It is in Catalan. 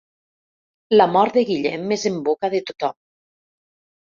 La mort de Guillem és en boca de tothom.